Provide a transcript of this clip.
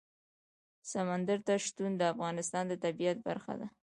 سمندر نه شتون د افغانستان د طبیعت برخه ده.